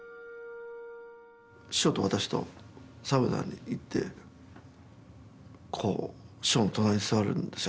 師匠と私とサウナに行ってこう師匠の隣に座るんですよ。